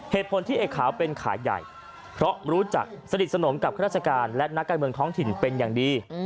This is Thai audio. เหตุผลที่เอกขาวเป็นขาใหญ่เพราะรู้จักสนิทสนมกับข้าราชการและนักการเมืองท้องถิ่นเป็นอย่างดี